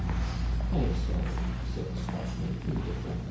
*' I am sorry," said the Scotchman indifferently.